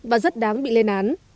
và rất đáng bị lên án